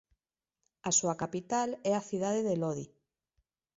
A súa capital é a cidade de Lodi.